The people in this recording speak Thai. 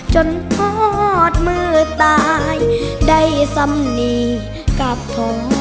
จนพอดมือตายได้ซ้ำหนีกับพ่อ